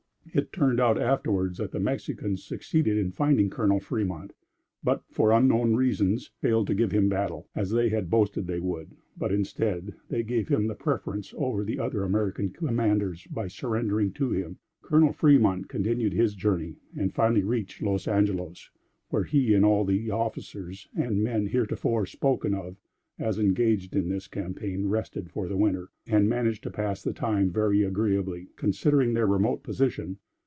It turned out afterwards that the Mexicans succeeded in finding Col. Fremont, but, for unknown reasons, failed to give him battle, as they had boasted they would; but instead, they gave him the preference over the other American commanders by surrendering to him. Col. Fremont continued his journey, and finally reached Los Angelos, where he and all the officers and men heretofore spoken of as engaged in this campaign, rested for the winter, and managed to pass the time very agreeably, considering their remote position.